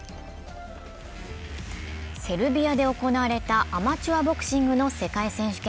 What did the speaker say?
セルビアで行われたアマチュアボクシングの世界選手権。